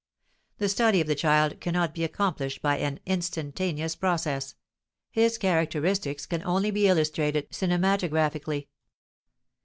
The study of the child cannot be accomplished by an "instantaneous" process; his characteristics can only be illustrated cinematographically.